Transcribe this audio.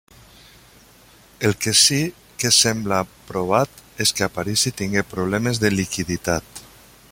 El que sí que sembla provat és que Aparici tingué problemes de liquiditat.